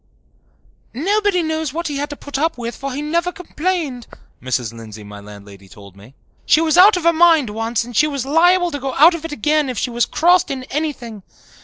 "Nobody knows what he had to put up with, for he never complained," Mrs. Lindsay, my landlady, told me. "She was out of her mind once and she was liable to go out of it again if she was crossed in anything.